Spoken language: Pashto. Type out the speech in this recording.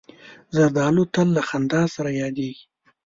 زردالو تل له خندا سره یادیږي.